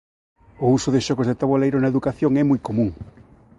O uso de xogos de taboleiro na educación é moi común.